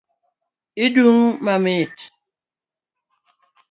Hidung' mamit .